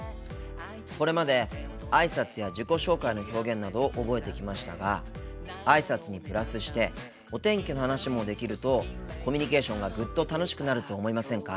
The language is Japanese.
これまで挨拶や自己紹介の表現などを覚えてきましたが挨拶にプラスしてお天気の話もできるとコミュニケーションがぐっと楽しくなると思いませんか？